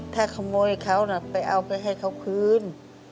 ถ้าขโมยเขาไปเอาไปให้เขาคืน